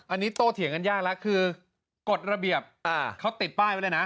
อันนี้โตเถียงกันยากแล้วคือกฎระเบียบเขาติดป้ายไว้เลยนะ